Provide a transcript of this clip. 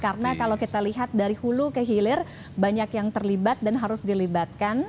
karena kalau kita lihat dari hulu ke hilir banyak yang terlibat dan harus dilibatkan